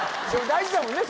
大事だもんね